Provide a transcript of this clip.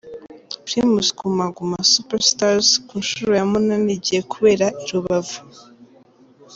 Primus Guma Guma Super Stars ku nshuro ya munani igiye kubera i Rubavu.